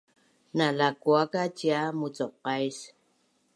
Na lakua ka cia mucuqais?